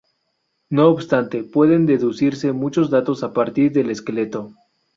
No obstante, pueden deducirse muchos datos a partir del esqueleto.